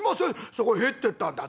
そこ入ってったんだ」。